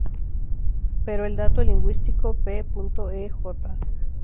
Pero el dato lingüístico, p. ej.